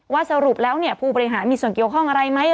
สรุปแล้วผู้บริหารมีส่วนเกี่ยวข้องอะไรไหม